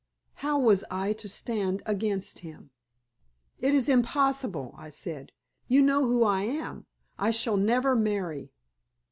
How was I to stand against him? "It is impossible," I said; "you know who I am. I shall never marry."